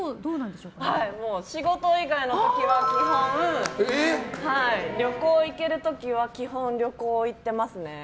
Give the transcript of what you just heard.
仕事以外の日は旅行に行ける時は基本、旅行に行ってますね。